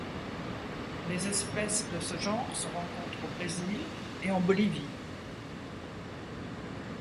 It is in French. Les espèces de ce genre se rencontrent au Brésil et en Bolivie.